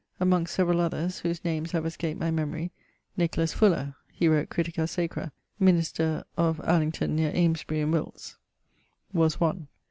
Amongst severall others (whose names have escaped my memorie) Nicholas Fuller (he wrote Critica Sacra), minister of Allington neer Amesbury in Wilts, was one.